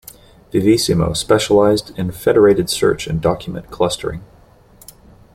Vivisimo specialized in federated search and document clustering.